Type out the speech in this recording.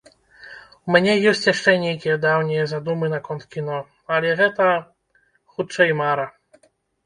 У мяне ёсць яшчэ нейкія даўнія задумы наконт кіно, але гэта, хутчэй, мара.